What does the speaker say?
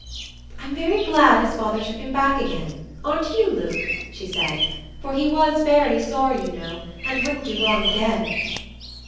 "I'm very glad his father took him back again, aren't you, Luke?" she said. "For he was very sorry, you know, and wouldn't do wrong again."